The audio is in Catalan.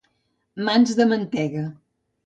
Mans de mantega.